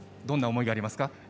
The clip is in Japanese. どんな思いがありますか？